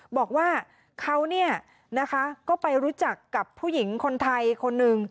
บอกว่าเขาก็ไปรู้จักกับผู้หญิงคนไทยคนหนึ่ง